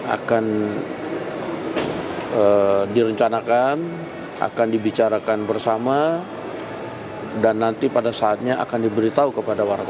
akan direncanakan akan dibicarakan bersama dan nanti pada saatnya akan diberitahu kepada warga